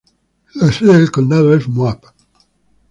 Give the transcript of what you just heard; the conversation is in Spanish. La sede del condado es Moab.